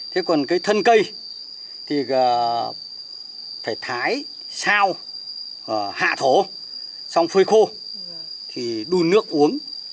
thế còn cái thân cây thì phải thái sao hạ thổ xong phơi khô thì đun nước uống